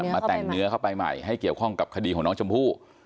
มาแต่งเนื้อเข้าไปใหม่ให้เกี่ยวข้องกับคดีของน้องชมพู่